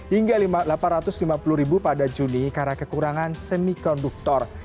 hingga delapan ratus lima puluh ribu pada juni karena kekurangan semikonduktor